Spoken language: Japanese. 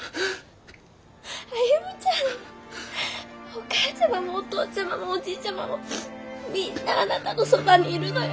お母ちゃまもお父ちゃまもおじいちゃまもみんなあなたのそばにいるのよ。